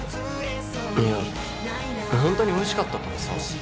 いや本当においしかったからさ。